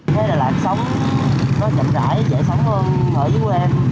thế đà lạt sống nó chậm rãi dễ sống hơn ở dưới quê em